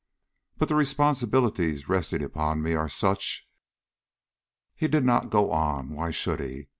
But the responsibilities resting upon me are such " He did not go on; why should he?